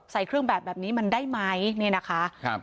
ใส่เครื่องแบบแบบนี้มันได้ไหมเนี่ยนะคะครับ